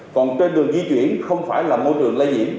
còn trên đường di chuyển không phải là môi trường lây nhiễm